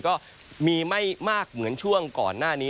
ก็มีไม่มากเหมือนช่วงก่อนหน้านี้